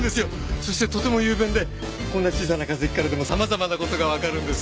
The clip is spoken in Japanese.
そしてとても雄弁でこんな小さな化石からでも様々な事がわかるんです。